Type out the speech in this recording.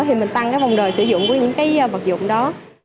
thì mình tăng cái vòng đời sử dụng của những mặt dụng đó